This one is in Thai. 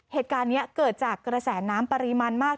เหตุการณ์นี้เกิดจากกระแสน้ำปริมาณมาก